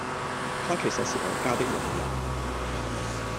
她其實是我家的佣人